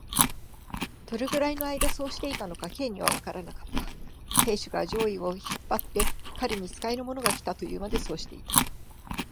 どれくらいのあいだそうしていたのか、Ｋ にはわからなかった。亭主が上衣を引っ張って、彼に使いの者がきた、というまで、そうしていた。